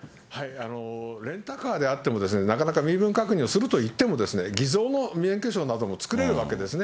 レンタカーであっても、なかなか身分確認をすると言っても、偽造の免許証なども作れるわけですね。